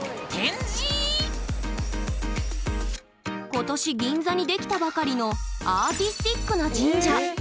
今年銀座に出来たばかりのアーティスティックな神社。